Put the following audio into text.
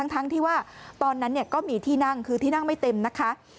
ทั้งที่ว่าตอนนั้นก็มีที่นั่งคือที่นั่งไม่เต็มนะคะ